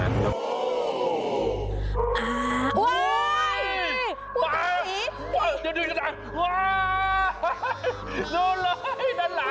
แต่นั่นละ